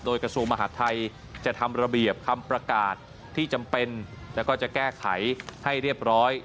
โดยกระทรวงมหาดไทยจะทำระเบียบคำประกาศที่จำเป็นแล้วก็จะแก้ไขให้เรียบร้อย